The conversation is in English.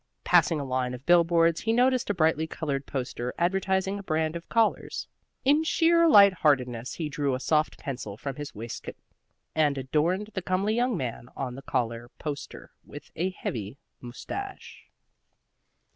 Passing a line of billboards, he noticed a brightly colored poster advertising a brand of collars. In sheer light heartedness he drew a soft pencil from his waistcoat and adorned the comely young man on the collar poster with a heavy mustache.